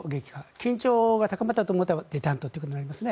緊張が高まったと思ったらデタントということになりますね。